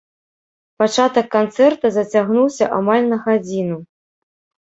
Пачатак канцэрта зацягнуўся амаль на гадзіну.